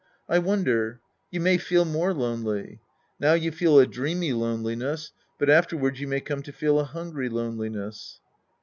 I wonder. You may feel more lonely. Now you feel a dreamy loneliness, but afterwards you may come to feel a hungry loneliness.